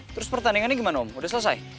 terus pertandingannya gimana om udah selesai